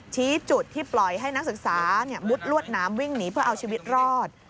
ชี้จุดที่ปล่อยให้นักศึกษามุดลวดน้ำวิ่งหนีเพื่อเอาชีวิตรอด